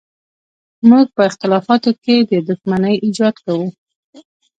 موږ په اختلافاتو کې د دښمنۍ ایجاد کوو.